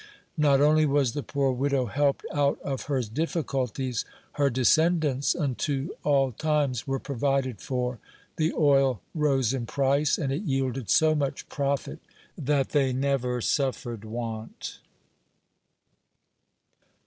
(8) Not only was the poor widow helped out of her difficulties, her descendants unto all times were provided for. The oil rose in price, and it yielded so much profit that they never suffered want.